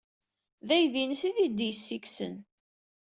D aydi-nnes ay t-id-yessikksen.